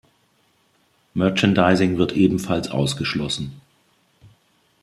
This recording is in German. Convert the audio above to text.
Merchandising wird ebenfalls ausgeschlossen.